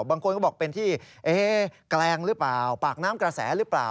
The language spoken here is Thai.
บางคนก็บอกเป็นที่แกลงหรือเปล่าปากน้ำกระแสหรือเปล่า